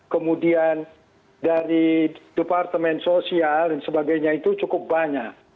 kemudian dari departemen sosial dan sebagainya itu cukup banyak